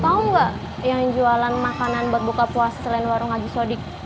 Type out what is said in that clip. tahu enggak yang jualan makanan buat buka puasa selain warung agus wadi